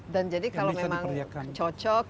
dan jadi kalau memang cocok